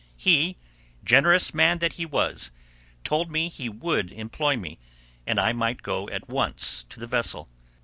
He, generous man that he was, told me he would employ me, and I might go at once to the vessel.